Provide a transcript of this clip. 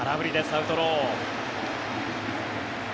アウトロー。